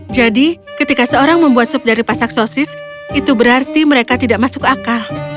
jadi ketika seorang membuat sup dari pasak sosis itu berarti mereka tidak masuk akal